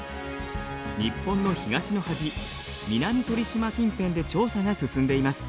日本の東の端南鳥島近辺で調査が進んでいます。